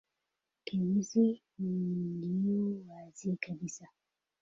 K wizi uliouwazi kabisa